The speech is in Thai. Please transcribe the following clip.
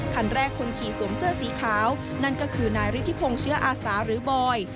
คันแรกคนขี่สวมเสื้อสีขาวนั่นก็คือนายฤทธิพงศ์เชื้ออาสาหรือบอย